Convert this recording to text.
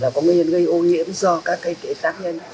là có nguyên nhân gây ô nhiễm do các cây tắc nhân